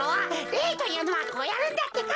れいというのはこうやるんだってか！